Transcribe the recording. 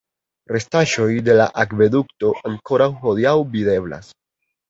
Restaĵoj de la akvedukto ankoraŭ hodiaŭ videblas.